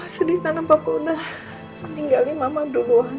sedih tanpa punah meninggalkan mama duluan